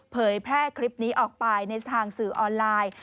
เผยแพร่คลิปนี้ออกไปในทางสื่อออนไลน์